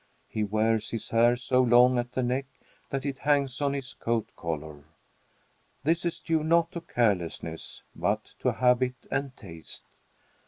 He wears his hair so long at the neck that it hangs on his coat collar. This is due not to carelessness, but to habit and taste.